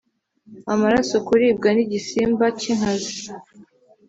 amaraso, kuribwa nigisimba cy'inkazi